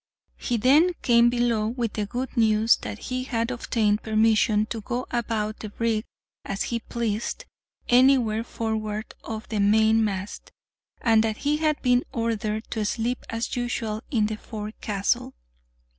He then came below with the good news that he had obtained permission to go about the brig as he pleased anywhere forward of the mainmast, and that he had been ordered to sleep, as usual, in the forecastle.